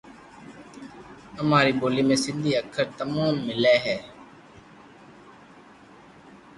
اماري ٻولي ۾ سندي اکر تموم ملي ھي